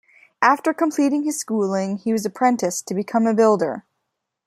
After completing his schooling, he was apprenticed to become a builder.